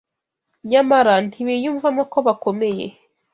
nyamara ntibiyumvamo ko bakomeye